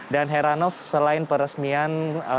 dan heranof selain peresmian